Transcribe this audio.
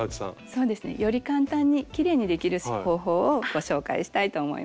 そうですねより簡単にきれいにできる方法をご紹介したいと思います。